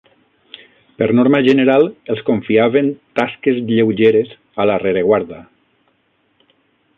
Per norma general els confiaven tasques lleugeres a la rereguarda